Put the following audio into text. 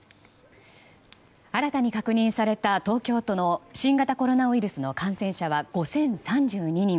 新たに確認された東京都の新型コロナウイルスの感染者は５０３２人。